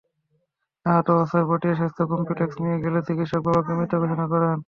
আহত অবস্থায় পটিয়া স্বাস্থ্য কমপ্লেক্সে নিয়ে গেলে চিকিৎসক বাবাকে মৃত ঘোষণা করেন।